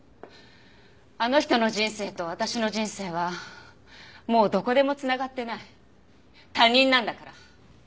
あの人の人生と私の人生はもうどこでも繋がっていない他人なんだから。